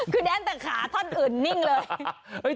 คือแดนแต่ขาท่อนอื่นนิ่งเลย